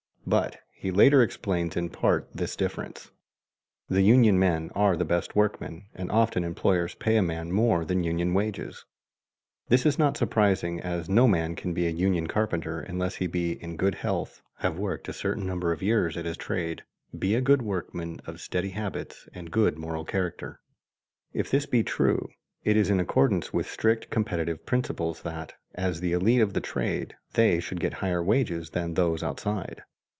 But he later explains in part this difference: "The union men are the best workmen and often employers pay a man more than union wages. This is not surprising as no man can be a union carpenter unless he be in good health, have worked a certain number of years at his trade, be a good workman, of steady habits and good moral character." [Sidenote: Certain unquestionable reasons why union wages should be higher] If this be true, it is in accordance with strict competitive principles that, as the elite of the trade, they should get higher wages than those outside.